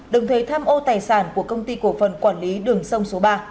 đồng thời tham ô tài sản của công ty cổ phần quản lý đường sông số ba